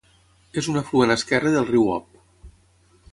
És un afluent esquerre del riu Ob.